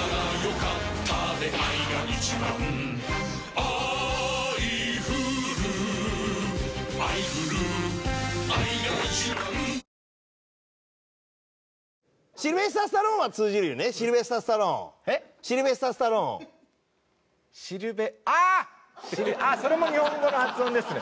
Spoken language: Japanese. ああそれも日本語の発音ですね。